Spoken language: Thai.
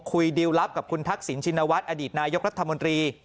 ดิวลลับกับคุณทักษิณชินวัฒน์อดีตนายกรัฐมนตรี